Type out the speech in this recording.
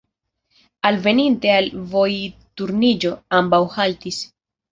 Alveninte al vojturniĝo, ambaŭ haltis.